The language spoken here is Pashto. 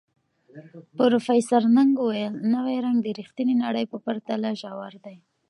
پروفیسر نګ وویل، نوی رنګ د ریښتیني نړۍ په پرتله ژور دی.